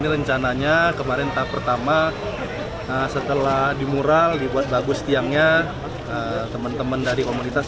rencananya kemarin tahap pertama setelah dimural dibuat bagus tiangnya teman teman dari komunitas